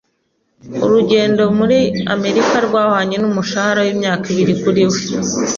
Urugendo muri Amerika rwahwanye n'umushahara w'imyaka ibiri kuri we.